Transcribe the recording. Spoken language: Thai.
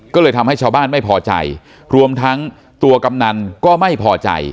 ก็เลยทำให้ชาวบ้านไม่พอใจรวมทั้งตัวกำนันก็ไม่พอใจ